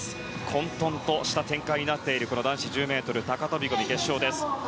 混沌とした展開になっている男子１０ｍ高飛込決勝。